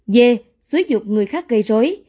d xuất dục người khác gây rối